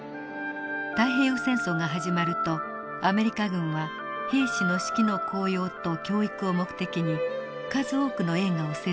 太平洋戦争が始まるとアメリカ軍は兵士の士気の高揚と教育を目的に数多くの映画を製作しています。